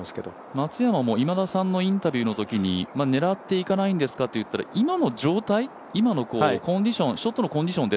松山も今田さんのインタビューのときに、狙っていかないんですかと言ったら今の状態、今のショットのコンディションで。